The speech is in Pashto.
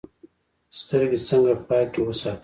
سترګې څنګه پاکې وساتو؟